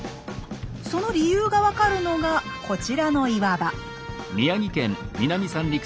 その理由が分かるのがこちらの岩場。